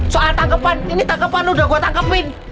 soal tangkepan ini tangkepan udah gue tangkepin